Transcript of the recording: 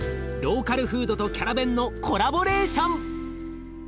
ローカルフードとキャラベンのコラボレーション！